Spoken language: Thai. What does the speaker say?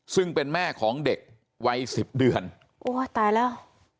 ซึ่งเป็นแม่ของเด็กวัยสิบเดือนโอ้ยตายแล้ว